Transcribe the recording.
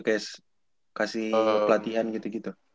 kasih pelatihan gitu gitu